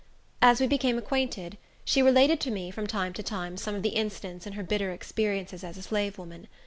As we became acquainted, she related to me, from time to time some of the incidents in her bitter experiences as a slave woman.